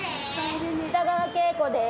北川景子です。